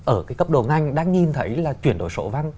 ở cái cấp độ ngành đang nhìn thấy là chuyển đổi số văn